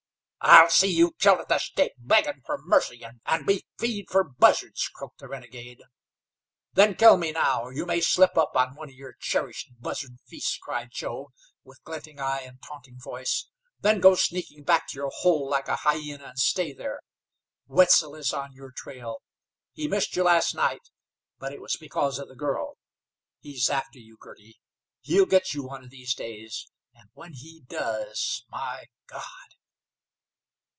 "I'll see you killed at the stake, beggin' fer mercy, an' be feed fer buzzards," croaked the renegade. "Then kill me now, or you may slip up on one of your cherished buzzard feasts," cried Joe, with glinting eye and taunting voice. "Then go sneaking back to your hole like a hyena, and stay there. Wetzel is on your trail! He missed you last night; but it was because of the girl. He's after you, Girty; he'll get you one of these days, and when he does My God!